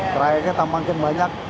tracknya semakin banyak